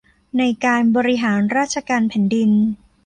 ในการบริหารราชการแผ่นดิน